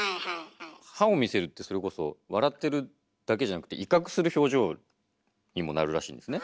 歯を見せるってそれこそ笑ってるだけじゃなくて威嚇する表情にもなるらしいんですね。